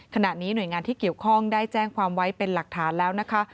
ขณะนี้หน่วยงานที่เกี่ยวข้องได้แจ้งความไว้เป็นหลักฐานแล้วนะคะ